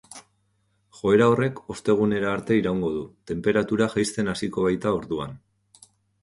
Joera horrek ostegunera arte iraungo du, tenperatura jaisten hasiko baita orduan.